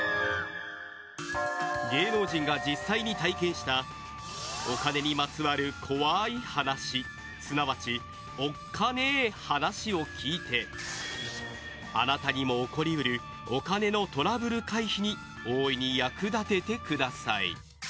芸能人が実際に体験したお金にまつわる怖い話すなわち、おっカネ話を聞いてあなたにも起こり得るお金のトラブル回避に大いに役立ててください。